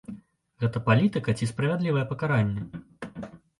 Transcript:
Гэта палітыка ці справядлівае пакаранне?